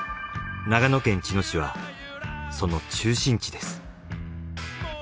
長野県茅野市はその中心地です。